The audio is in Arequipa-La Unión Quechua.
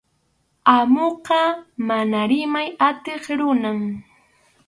Amuqa mana rimay atiq runam.